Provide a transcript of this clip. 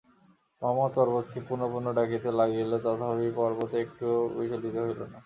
মহম্মদ পর্বতকে পুন পুন ডাকিতে লাগিলেন, তথাপি পর্বত একটুও বিচলিত হইল না।